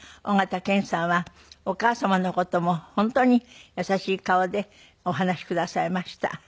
緒形拳さんはお母様の事も本当に優しい顔でお話しくださいました。